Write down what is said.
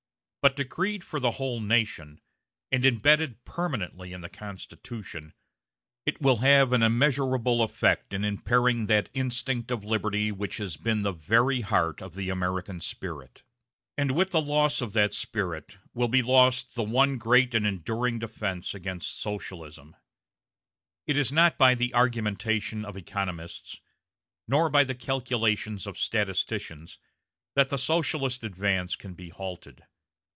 But decreed for the whole nation, and imbedded permanently in the Constitution, it will have an immeasurable effect in impairing that instinct of liberty which has been the very heart of the American spirit; and with the loss of that spirit will be lost the one great and enduring defense against Socialism. It is not by the argumentation of economists, nor by the calculations of statisticians, that the Socialist advance can be halted.